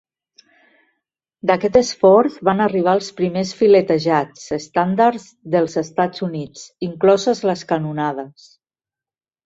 D'aquest esforç van arribar els primers filetejats estàndards dels Estats Units, incloses les canonades.